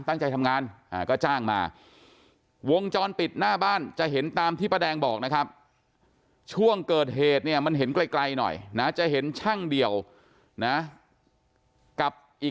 ตั้งใจทำงานก็จ้างมาวงจรปิดหน้าบ้านจะเห็นตามที่ป้าแดงบอกนะครับ